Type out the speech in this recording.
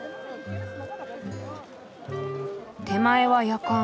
手前はやかん。